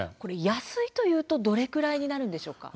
安いというとどれくらいになるんでしょうか。